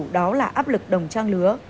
đó là áp lực đồng trang lứa